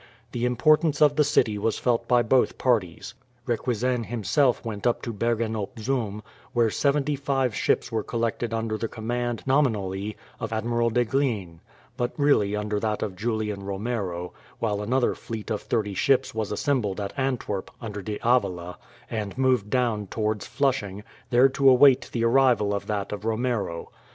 The importance of the city was felt by both parties. Requesens himself went to Bergen op Zoom, where seventy five ships were collected under the command, nominally, of Admiral de Glines, but really under that of Julian Romero, while another fleet of thirty ships was assembled at Antwerp, under D'Avila, and moved down towards Flushing, there to await the arrival of that of Romero.